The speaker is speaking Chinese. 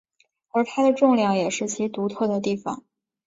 而它的重量也是其独特的地方。